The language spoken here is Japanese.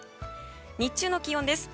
日中の気温です。